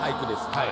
はい。